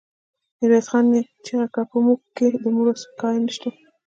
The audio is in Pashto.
ميرويس خان چيغه کړه! په موږ کې د مړو سپکاوی نشته.